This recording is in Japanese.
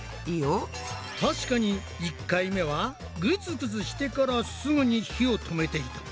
確かに１回目はグツグツしてからすぐに火を止めていた。